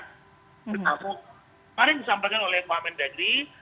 tetapi kemarin disampaikan oleh pak menteri